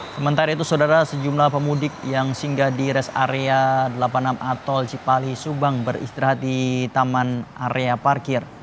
sementara itu saudara sejumlah pemudik yang singgah di res area delapan puluh enam a tol cipali subang beristirahat di taman area parkir